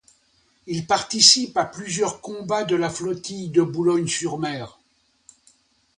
Il participe à plusieurs combats de la flottille de Boulogne-sur-Mer.